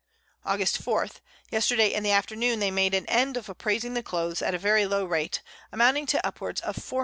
August 4. Yesterday in the Afternoon they made an End of appraising the Clothes at a very low rate, amounting to upwards of 400_l.